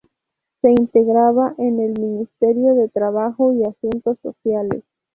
Se integraba en el Ministerio de Trabajo y Asuntos Sociales.